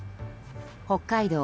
北海道